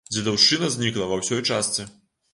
Дзедаўшчына знікла ва ўсёй частцы.